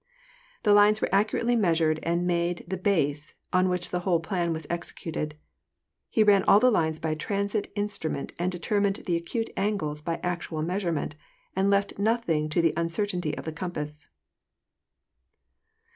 These lines were accurately measured and made the base on which the whole plan was executed. He ran all the lines by a transit instrument and determined the acute angles by actual measure ment, and left nothing to the uncertainty of the compass.